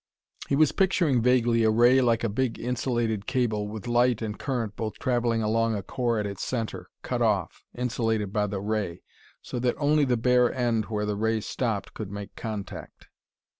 He was picturing vaguely a ray like a big insulated cable, with light and current both traveling along a core at its center, cut off, insulated by the ray, so that only the bare end where the ray stopped could make contact.